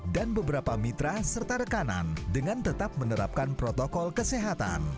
dan beberapa mitra serta rekanan dengan tetap menerapkan protokol kesehatan